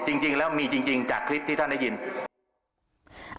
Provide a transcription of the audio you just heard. จริงแล้วมีจริงจากคลิปที่ท่านได้ยิน